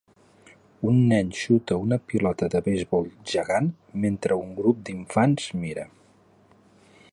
Un nen xuta una pilota de beisbol gegant mentre un grup d'infants mira.